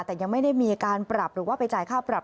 แต่ยังไม่ได้มีการปรับหรือว่าไปจ่ายค่าปรับ